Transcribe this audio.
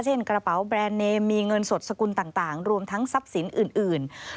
กระเป๋าแบรนด์เนมมีเงินสดสกุลต่างรวมทั้งทรัพย์สินอื่น